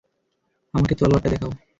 আমাকে তলোয়ারটা দেখাও।